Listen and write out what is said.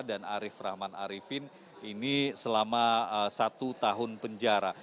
dan arief rahman arifin ini selama satu tahun penjara